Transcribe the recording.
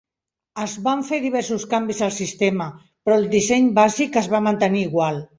Es van fer diversos canvis al sistema, però el disseny bàsic es va mantenir igual.